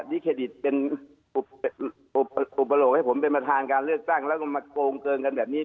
ดิเครดิตเป็นอุปโลกให้ผมเป็นประธานการเลือกตั้งแล้วก็มาโกงเกินกันแบบนี้